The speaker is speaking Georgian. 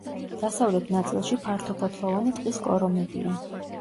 დასავლეთ ნაწილში ფართოფოთლოვანი ტყის კორომებია.